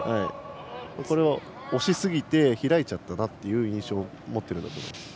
それを押しすぎて開いちゃったなという印象を持ってると思います。